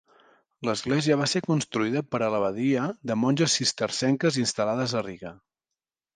L'església va ser construïda per a l'abadia de monges cistercenques instal·lades a Riga.